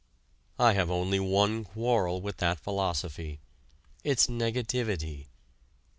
I have only one quarrel with that philosophy its negativity.